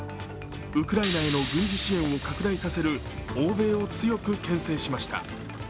ウクライナへの軍事支援を拡大させる欧米を強くけん制しました。